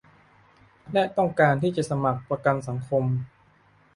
และต้องการที่จะสมัครประกันสังคม